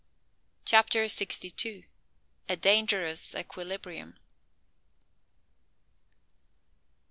CHAPTER SIXTY TWO. A DANGEROUS EQUILIBRIUM.